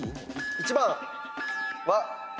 １番は。